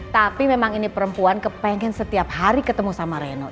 tapi memang ini perempuan kepengen setiap hari ketemu sama reno